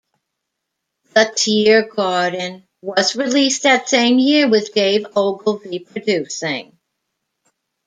"The Tear Garden" was released that same year, with Dave Ogilvie producing.